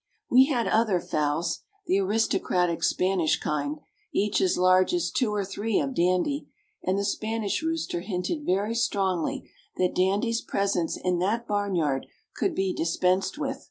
We had other fowls, the aristocratic Spanish kind, each as large as two or three of Dandy, and the Spanish rooster hinted very strongly that Dandy's presence in that barnyard could be dispensed with.